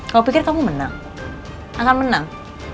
kau pikir kamu menang akan menang